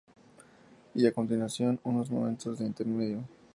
Y a continuación, unos momentos de Intermedio"".